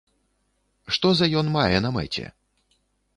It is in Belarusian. Што за ён мае на мэце?